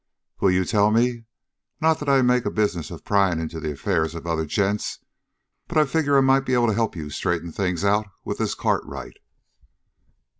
"Will you tell me? Not that I make a business of prying into the affairs of other gents, but I figure I might be able to help you straighten things out with this Cartwright."